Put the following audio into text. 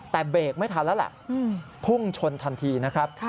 แต่เบรกไม่ทันแล้วล่ะพุ่งชนทันทีนะครับ